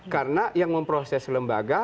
karena yang memproses lembaga